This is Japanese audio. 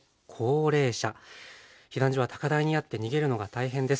避難所は高台にあって逃げるのが大変です。